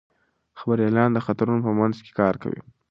خبریالان د خطرونو په منځ کې کار کوي.